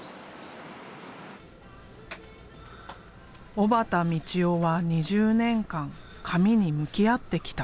小幡海知生は２０年間紙に向き合ってきた。